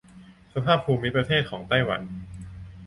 สภาพภูมิประเทศของไต้หวัน